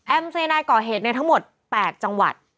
เซนายก่อเหตุในทั้งหมด๘จังหวัด